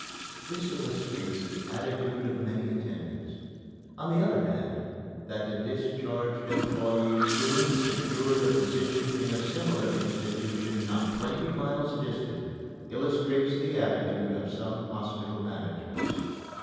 This illustrates the attitude of many attendants. On the other hand, that the discharged employé soon secured a position in a similar institution not twenty miles distant illustrates the attitude of some hospital managements.